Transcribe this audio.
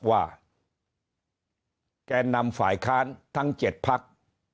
ว่าการแน่นำฝ่ายค้านทั้งเจ็ดภักษ์